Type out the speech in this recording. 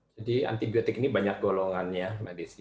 jadi antibiotik ini banyak golongannya mbak desi